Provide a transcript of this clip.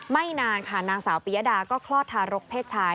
ไม่นานค่ะนางสาวปียดาก็คลอดทารกเพศชาย